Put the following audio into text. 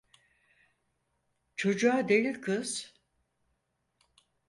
Çocuğa değil kız…